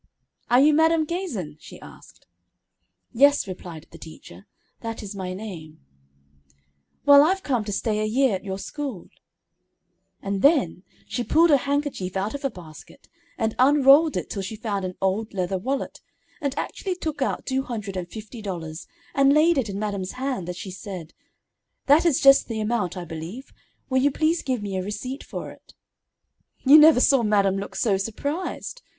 "'Are you Madam Gazin?' she asked. "'Yes,' replied the teacher, 'that is my name.' "'Well, I've come to stay a year at your school.' [Illustration: "That is just the amount, I believe.'] "And then she pulled a handkerchief out of her basket, and unrolled it till she found an old leather wallet, and actually took out $250 and laid it in madam's hand, as she said: "That is just the amount, I believe; will you please give me a receipt for it?' "You never saw madam look so surprised.